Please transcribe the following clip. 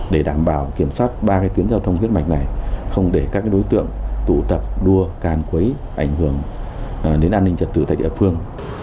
để đảm bảo kiểm soát ba tuyến giao thông huyết mạch này không để các đối tượng tụ tập đua càn quấy ảnh hưởng đến an ninh trật tự tại địa phương